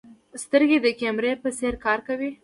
سترګې د کیمرې په څېر کار کوي.